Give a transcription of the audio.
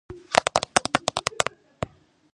მარჯვნიდან ერთვის ქეშელთა.